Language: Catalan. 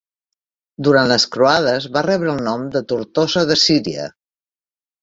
Durant les croades va rebre el nom de Tortosa de Síria.